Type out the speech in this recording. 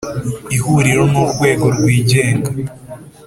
Ihuriro ni urwego rwigenga